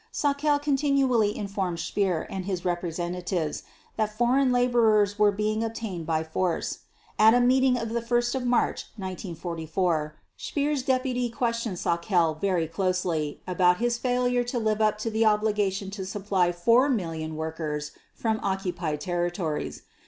Sauckel continually informed Speer and his representatives that foreign laborers were being obtained by force. At a meeting of 1 March 1944 Speer's deputy questioned Sauckel very closely about his failure to live up to the obligation to supply 4 million workers from occupied territories.